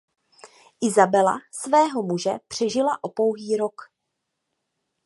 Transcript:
Isabela svého muže přežila o pouhý rok.